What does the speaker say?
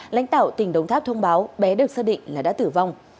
lãnh tạo tỉnh đồng tháp thông báo bé được xác định là đã tử vong